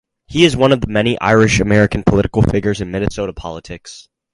He is one of the many Irish-American political figures in Minnesota politics.